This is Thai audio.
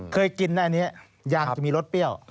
เคยกินนะอันนี้ยางจะมีรสเปรี้ยว